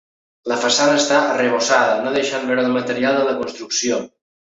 La façana està arrebossada, no deixant veure el material de la construcció.